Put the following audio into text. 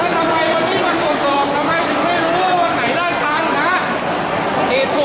ซึ่งค้าไปก็ต้องรู้ว่าวันไหนได้ตังนะคะ